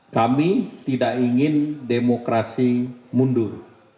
kami tidak ingin demokrasi mundur